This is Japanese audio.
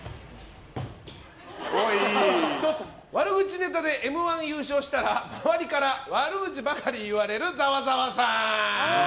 悪口ネタで「Ｍ‐１」優勝したら周りから悪口ばかり言われるざわざわさん。